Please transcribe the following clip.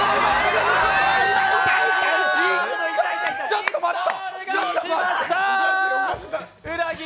ちょっと待った。